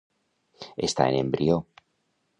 Estar en embrió.